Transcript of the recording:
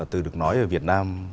từ được nói ở việt nam